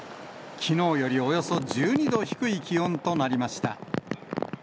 きのうよりおよそ１２度低い気温となりました。